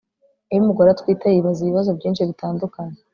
iyo umugore atwite yibaza ibibazo byinshi bitandukanye